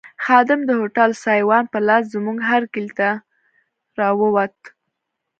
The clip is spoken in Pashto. خادم د هوټل سایوان په لاس زموږ هرکلي ته راووت.